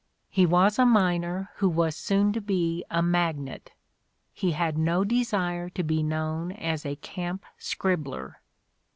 "He was a miner who was soon to be a magnate; he had no desire to be known as a camp scribbler."